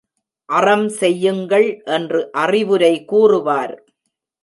அறம் செய்யுங்கள் என்று அறிவுரை கூறுவார்.